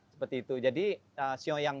seperti itu jadi sio yang